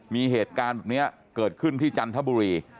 มีเหตุการณ์แบบนี้เกิดขึ้นที่จันทบุรี